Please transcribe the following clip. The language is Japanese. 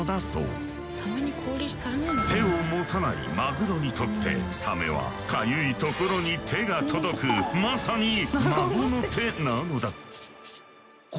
手を持たないマグロにとってサメはかゆいところに手が届くまさに孫の手なのだ。